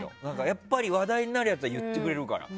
やっぱり話題になるやつは言ってくれるから。